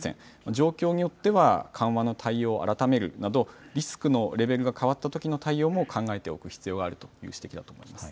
状況によっては緩和の対応を改めるなどリスクのレベルが変わったときの対応も考えておく必要があるという指摘だと思います。